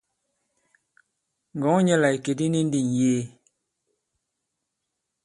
Ngɔ̀ŋɔ nyɛ la ìkè di ni ndi ŋ̀yee.